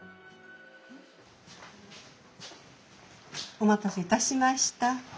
お待たせいたしました。